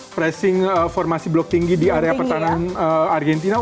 pressing formasi blok tinggi di area pertahanan argentina